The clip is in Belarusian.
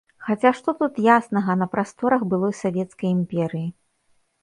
Хаця што тут яснага на прасторах былой савецкай імперыі?